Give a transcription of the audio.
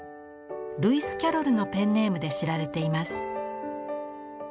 ルイス・キャロルのペンネームで知られています。